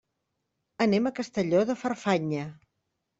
Anem a Castelló de Farfanya.